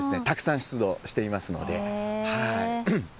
たくさん出土していますので。